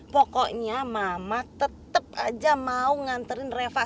pokoknya mama tetap aja mau nganterin reva